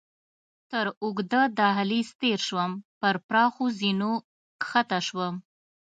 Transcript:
تر اوږده دهلېز تېر شوم، پر پراخو زینو کښته شوم.